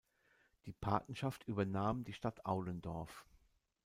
Die Patenschaft übernahm die Stadt Aulendorf.